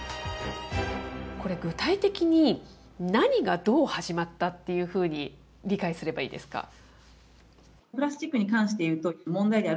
これ、具体的に何がどう始まったっていうふうに理解すればいいですか。